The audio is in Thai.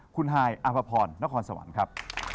คุณฮายอภพรนครสวรรค์ครับ